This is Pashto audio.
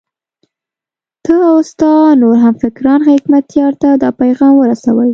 ته او ستا نور همفکران حکمتیار ته دا پیغام ورسوئ.